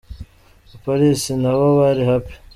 I Paris na bo bari "Happy".